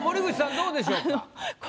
どうでしょうか？